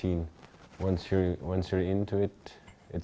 ini tidak masalah untuk melakukan rutin